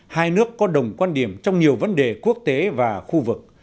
hai nước có đồng quan điểm trong nhiều vấn đề quốc tế và khu vực